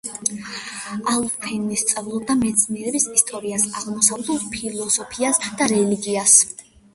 ალფვენი სწავლობდა მეცნიერების ისტორიას, აღმოსავლურ ფილოსოფიას და რელიგიას.